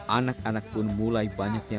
anak anak pun mulai banyaknya